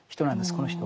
この人は。